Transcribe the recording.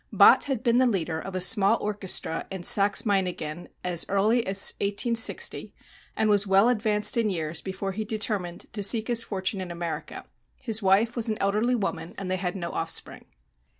Bott had been leader of a small orchestra in Saxe Meiningen as early as 1860, and was well advanced in years before he determined to seek his fortune in America. His wife was an elderly woman and they had no offspring.